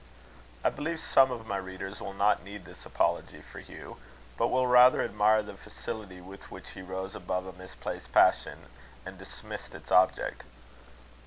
I believe some of my readers will not need this apology for Hugh; but will rather admire the facility with which he rose above a misplaced passion, and dismissed its object.